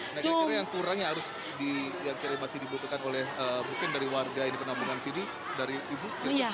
nah yang kurang yang masih dibutuhkan mungkin dari warga penampungan di sini dari ibu